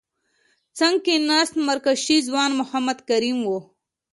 څنګ کې ناست مراکشي ځوان محمد کریم وو.